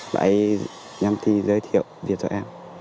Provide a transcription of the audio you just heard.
bà ấy nhắm thi giới thiệu việc cho em